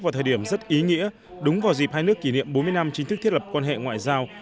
vào thời điểm rất ý nghĩa đúng vào dịp hai nước kỷ niệm bốn mươi năm chính thức thiết lập quan hệ ngoại giao